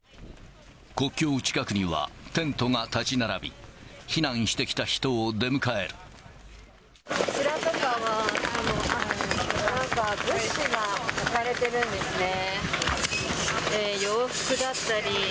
国境近くにはテントが建ち並び、避難してきた人を出迎える。